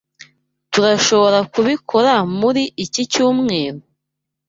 Tturashoborakubikora muri iki cyumweru?